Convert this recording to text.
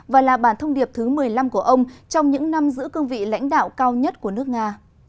và là bản thông điệp thứ một mươi năm của ông trong những năm giữ cương vị lãnh đạo cao nhất của nước nga